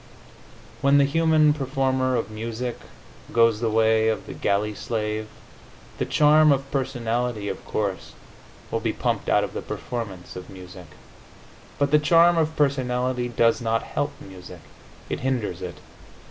When the human performer of music goes the way of the galley slave, the charm of personality, of course, will be pumped out of the performance of music. But the charm of personality does not help music; it hinders it.